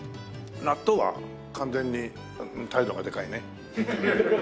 納豆は完全に態度がでかいね。